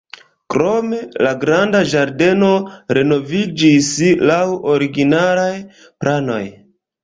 Krome la granda ĝardeno renoviĝis laŭ originalaj planoj.